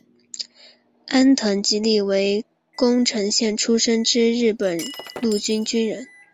安藤利吉为宫城县出身之日本陆军军人。